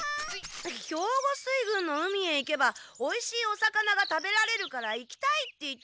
兵庫水軍の海へ行けばおいしいお魚が食べられるから行きたいって言っ